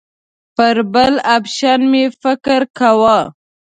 پر بل اپشن مې فکر کاوه.